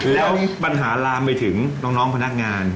แล้วปัญหาลามไปถึงน้องพนักงาน